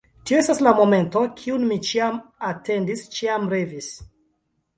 Tio estas la momento, kiun mi ĉiam atendis, ĉiam revis.